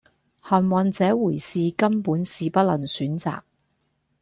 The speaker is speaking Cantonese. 幸運這回事根本是不能選擇